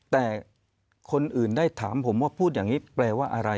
แต่คนอื่นได้ถามผมว่าพูดอย่างนี้แปลว่าอะไร